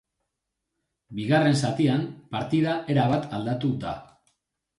Bigarren zatian, partida erabat aldatu da.